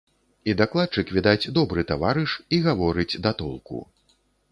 І дакладчык, відаць, добры таварыш, і гаворыць да толку.